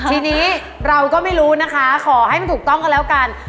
ทีนี้เราก็ไม่รู้นะคะขอให้มันถูกต้องกันแล้วกัน